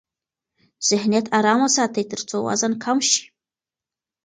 ذهنیت آرام وساتئ ترڅو وزن کم شي.